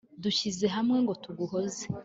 dushyize hamwe ngo tuguhoze